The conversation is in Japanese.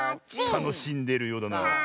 たのしんでいるようだな。